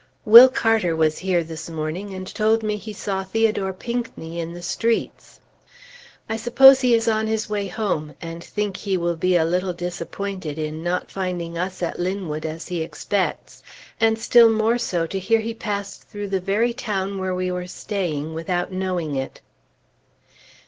Will Carter was here this morning and told me he saw Theodore Pinckney in the streets. I suppose he is on his way home, and think he will be a little disappointed in not finding us at Linwood as he expects, and still more so to hear he passed through the very town where we were staying, without knowing it.